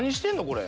これ。